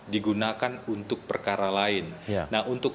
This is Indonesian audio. digunakan untuk perkara lain nah untuk